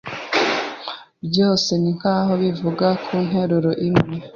Byose ninkaho bivuga ku nteruro imwe